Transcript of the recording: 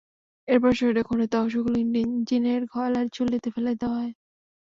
এরপর শরীরের খণ্ডিত অংশগুলো ইঞ্জিনের জ্বলন্ত কয়লার চুল্লিতে ফেলে দেওয়া হয়।